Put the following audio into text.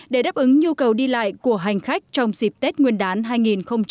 để đáp ứng nhu cầu đi lại của hành khách trong dịp tết nguyên đán hai nghìn hai mươi